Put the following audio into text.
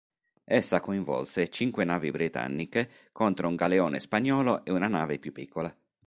Essa coinvolse cinque navi britanniche contro un galeone spagnolo e una nave più piccola.